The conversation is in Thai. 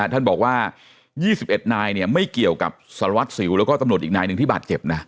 ท่านบอกว่า๒๑นายไม่เกี่ยวกับสารวัตรสิวแล้วก็ตำรวจอีกนายหนึ่งที่บาดเจ็บนะ